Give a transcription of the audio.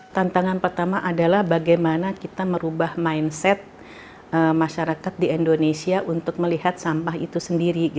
tantangan pertama adalah bagaimana kita merubah mindset masyarakat di indonesia untuk melihat sampah itu sendiri